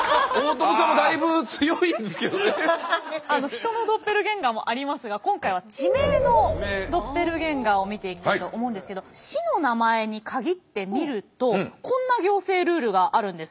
人のドッペルゲンガーもありますが今回は地名のドッペルゲンガーを見ていきたいと思うんですけど市の名前に限って見るとこんな行政ルールがあるんです。